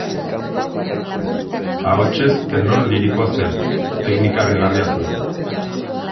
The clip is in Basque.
Ahotsez tenor lirikoa zen; teknika harrigarria zuen.